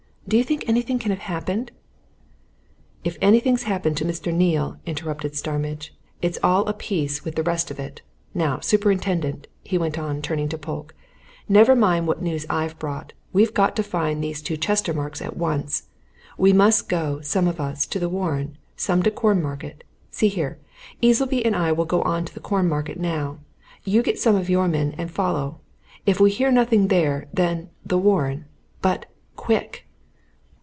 Do you think anything can have happened " "If anything's happened to Mr. Neale," interrupted Starmidge, "it's all of a piece with the rest of it. Now, superintendent!" he went on, turning to Polke, "never mind what news I've brought we've got to find these two Chestermarkes at once! We must go, some of us, to the Warren, some to the Cornmarket. See here! Easleby and I will go on to the Cornmarket now you get some of your men and follow. If we hear nothing there then, the Warren. But quick!"